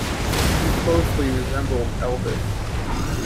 He closely resembled Elvis.